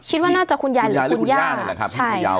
คิดว่าน่าจะคุณยายหรือคุณย่าคุณย่าหรือคุณย่าใช่ค่ะ